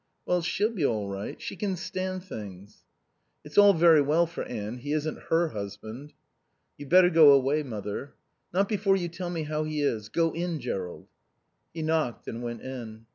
"Well, she'll be all right. She can stand things." "It's all very well for Anne. He isn't her husband." "You'd better go away, Mother." "Not before you tell me how he is. Go in, Jerrold." He knocked and went in.